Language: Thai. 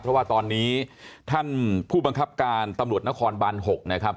เพราะว่าตอนนี้ท่านผู้บังคับการตำรวจนครบัน๖นะครับ